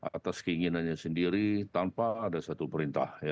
atas keinginannya sendiri tanpa ada satu perintah